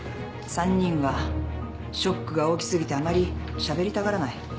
３人はショックが大き過ぎてあまりしゃべりたがらない。